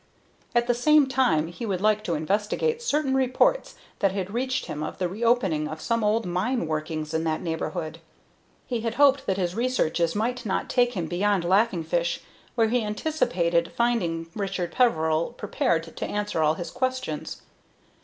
At the same time he would like to investigate certain reports that had reached him of the reopening of some old mine workings in that neighborhood. He had hoped that his researches might not take him beyond Laughing Fish, where he anticipated finding Richard Peveril prepared to answer all his questions.